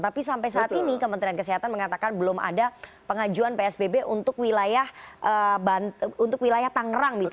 tapi sampai saat ini kementerian kesehatan mengatakan belum ada pengajuan psbb untuk wilayah tangerang gitu